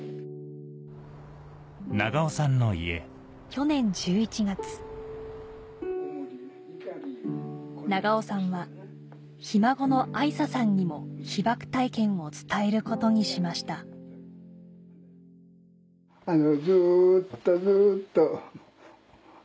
去年１１月長尾さんはひ孫の愛咲さんにも被爆体験を伝えることにしましたうん。